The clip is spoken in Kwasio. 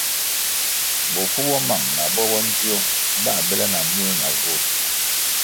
Bofu bo mang na bo bo ndzio bā bele na muē ma vur.